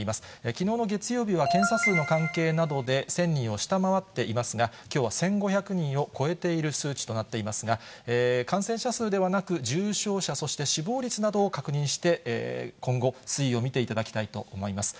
きのうの月曜日は検査数の関係などで１０００人を下回っていますが、きょうは１５００人を超えている数値となっていますが、感染者数ではなく、重症者、そして死亡率などを確認して、今後、推移を見ていただきたいと思います。